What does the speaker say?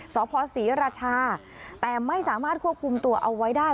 สพศรีราชาแต่ไม่สามารถควบคุมตัวเอาไว้ได้